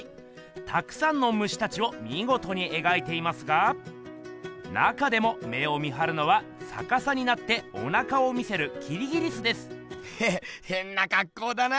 たくさんのムシたちをみごとに描いていますが中でも目を見はるのはさかさになっておなかを見せるきりぎりすです。へへっへんなかっこうだな。